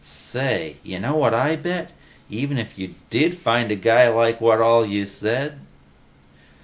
"Say, you know what I bet? Even if you did find a guy who's like what all you said